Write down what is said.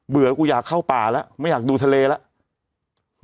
กูอยากเข้าป่าแล้วไม่อยากดูทะเลแล้ว